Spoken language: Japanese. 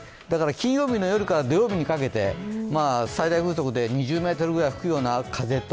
金曜日の夜から土曜日にかけて最大風速で２メートルぐらい吹くような風と